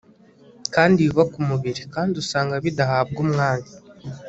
kandi yubaka umubiri kandi usanga bidahabwa umwanya